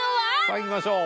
さあいきましょう。